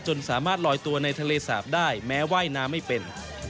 สามารถลอยตัวในทะเลสาบได้แม้ว่ายน้ำไม่เป็น